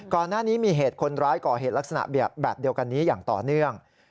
ก่อนหน้านี้มีเหตุคนร้ายก่อเหตุลักษณะแบบเดียวกันนี้อย่างต่อเนื่อง